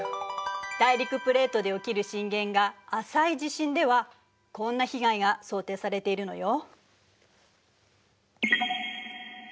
大陸プレートで起きる震源が浅い地震ではこんな被害が想定されているのよ。